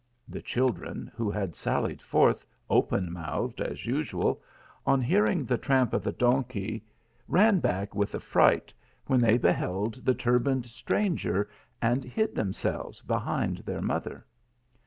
The children, who had sallied forth, open mouthed as usual, on hearing the tramp of the donkey, ran back with affright, when they beheld the turbaned stranger, and hid themselves behind their mother.